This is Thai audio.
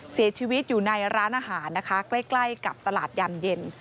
เสียชีวิตอยู่ในร้านอาหารนะคะใกล้กับตลาดยามเย็น